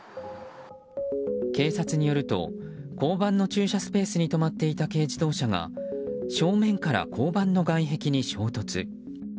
警察によると交番の駐車スペースに止まっていた軽自動車が正面から交番の外壁に衝突。